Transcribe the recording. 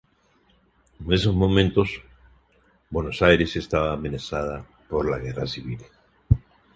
En esos momentos Buenos Aires estaba amenazada por la guerra civil.